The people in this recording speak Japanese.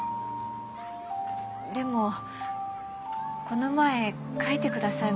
でもこの前書いてくださいましたよね。